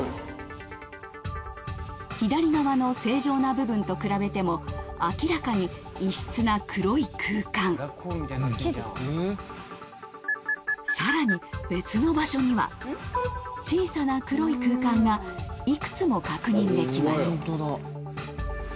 左側の正常な部分と比べても明らかに異質な黒い空間更に別の場所には小さな黒い空間がいくつも確認できます